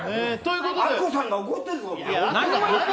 あっこさんが怒ってるぞ！